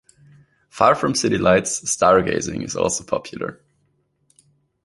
Far from city lights, stargazing is also popular.